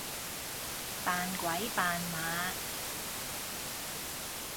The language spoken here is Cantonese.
扮鬼扮馬